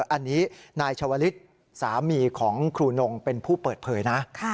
อันนี้นายชาวลิศสามีของครูนงเป็นผู้เปิดเผยนะ